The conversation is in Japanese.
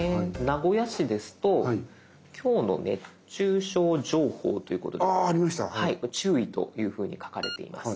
名古屋市ですと「きょうの熱中症情報」ということで注意というふうに書かれています。